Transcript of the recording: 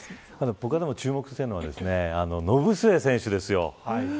僕が注目しているのはノブスエ選手ですよ。